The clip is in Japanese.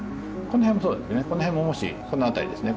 この辺もこの辺りですね。